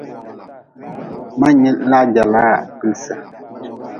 Ma-n nyi ʼʼlagerʼʼ laa ʼʼpilsʼʼ.